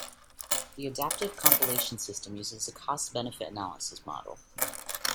The adaptive compilation system uses a cost-benefit analysis model.